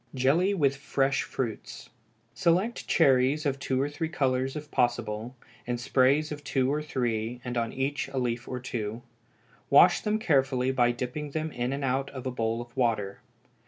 Jelly with Fresh Fruits. Select cherries of two or three colors if possible, in sprays of two or three, and on each a leaf or two; wash them carefully by dipping them in and out of a bowl of water.